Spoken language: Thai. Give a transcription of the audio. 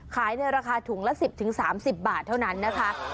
ขายในราคาถุงละ๑๐๓๐บาทเท่านั้นนะคะ